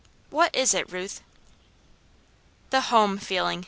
What is it, Ruth?" "The Home Feeling!"